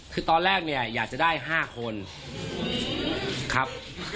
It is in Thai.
คือตอนแรกเนี่ยอยากจะได้๕คนครับ